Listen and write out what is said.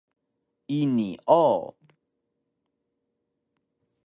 Ini o!